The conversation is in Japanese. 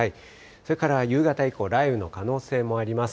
それから夕方以降、雷雨の可能性もあります。